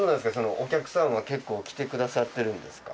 お客さんは結構来てくださってるんですか？